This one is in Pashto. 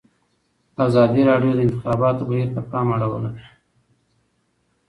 ازادي راډیو د د انتخاباتو بهیر ته پام اړولی.